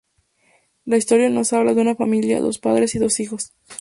La historia nos habla de una familia dos padres y dos hijos.